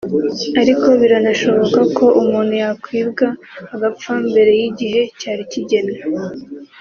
ariko biranashoboka ko umuntu yakwibwa agapfa mbere y’igihe cyari kigenwe